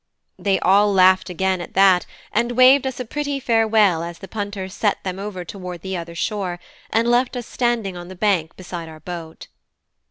They all laughed again at that, and waved us a pretty farewell as the punters set them over toward the other shore, and left us standing on the bank beside our boat.